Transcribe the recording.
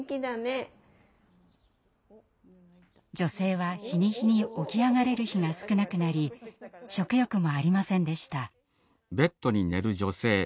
女性は日に日に起き上がれる日が少なくなり食欲もありませんでした。